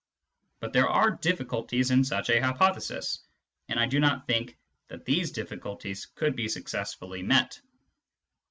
But there are difiSculties in such a hypothesis, and I do not know whether these difliculties could be successfully met.